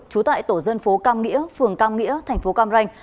trú tại tổ dân phố cam nghĩa phường cam nghĩa thành phố cam ranh